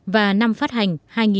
và năm phát hành hai nghìn một mươi tám